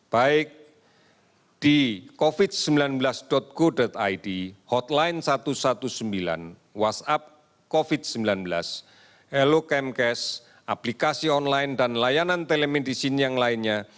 baik di covid sembilan belas go id hotline satu ratus sembilan belas whatsapp covid sembilan belas hello kemkes aplikasi online dan layanan telemedicine yang lainnya